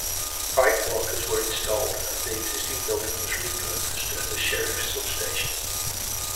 Bike lockers were installed and the existing building was re-purposed as a Sheriff substation.